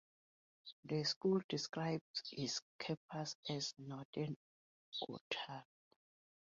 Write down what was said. The school describes its campus as "Northern Ontario".